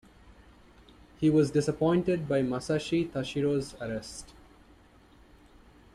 He was disappointed by Masashi Tashiro's arrest.